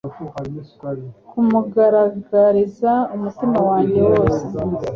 Kumugaragariza umutima wanjye wose